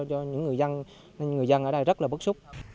cho những người dân ở đây rất là bất xúc